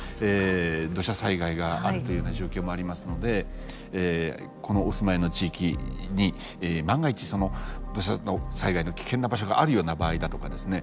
土砂災害があるというような状況もありますのでお住まいの地域に万が一その土砂災害の危険な場所があるような場合だとかですね